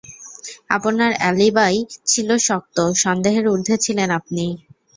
আপনার অ্যালিবাই ছিল শক্ত, সন্দেহের উর্দ্ধে ছিলেন আপনি।